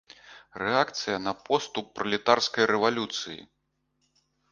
Рэакцыя на поступ пралетарскай рэвалюцыі!